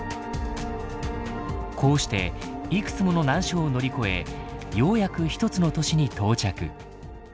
こうしていくつもの難所を乗り越えようやく一つの都市に到着。